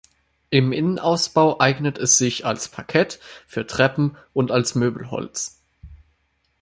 Im Innenausbau eignet es sich als Parkett, für Treppen und als Möbelholz.